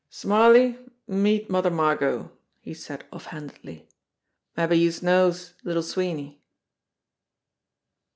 "Smarly, meet Mother Margot," he said off handedly. "Mabbe youse knows Little Sweeney."